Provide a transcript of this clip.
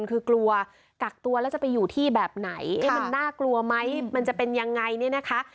คือกลัวกักตัวแล้วจะไปอยู่ที่แบบไหนมันน่ากลัวไหมมันจะเป็นยังไงเนี่ยนะคะ